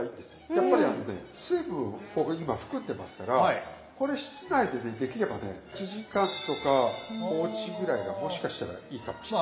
やっぱりあのね水分をここに今含んでますからこれ室内でねできればね１時間とか放置ぐらいがもしかしたらいいかもしれない。